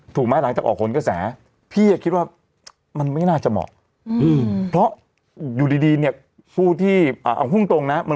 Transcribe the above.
ถูกไหมหลังจากออกผลกระแสพี่คิดว่ามันไม่น่าจะเหมาะเพราะอยู่ดีเนี่ยผู้ที่เอาฮุ่งตรงนะ